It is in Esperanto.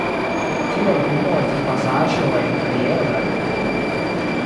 Tiu albumo estas pasaĵo en kariero de la grupo.